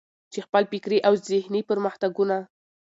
چې خپل فکري او ذهني پرمختګونه.